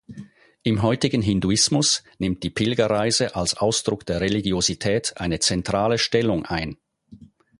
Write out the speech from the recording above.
Im heutigen Hinduismus nimmt die Pilgerreise als Ausdruck der Religiosität eine zentrale Stellung ein.